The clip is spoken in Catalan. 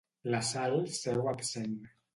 La Sal seu absent.